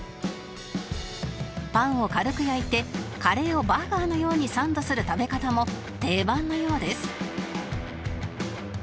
パウを軽く焼いてカレーをバーガーのようにサンドする食べ方も定番のようです